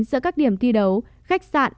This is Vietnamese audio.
giữa các điểm thi đấu khách sạn